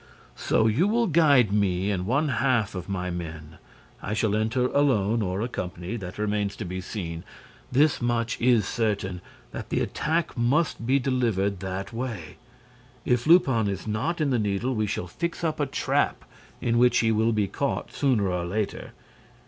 "So you will guide me and one half of my men. I shall enter alone, or accompanied, that remains to be seen. This much is certain, that the attack must be delivered that way. If Lupin is not in the Needle, we shall fix up a trap in which he will be caught sooner or later.